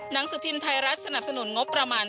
หนังสือพิมพ์ไทยรัฐสนับสนุนงบประมาณ